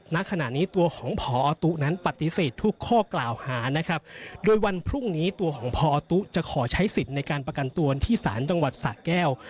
ณขณะนี้ตัวของพอตุ๊นั้นปฏิเสธทุกข้อกล่าวหานะครับโดยวันพรุ่งนี้ตัวของพอตุ๊จะขอใช้สิทธิ์ในการประกันตัวที่ศาลจังหวัดสะแก้ว